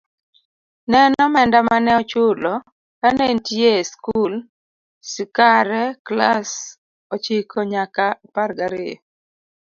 Ne en omenda mane ochulo kane entie skul ckare klass ochiko nyaka apar gariyo.